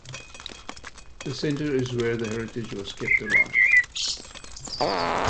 The Centre is where the heritage was kept alive.